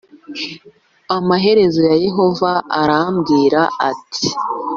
Amaherezo Yehova arambwira ati